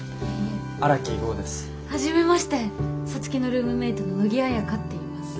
はじめまして皐月のルームメートの野木綾花っていいます。